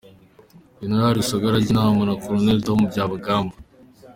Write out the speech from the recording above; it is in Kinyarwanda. Gen. Rusagara ajya inama na Col. Tom Byabagamba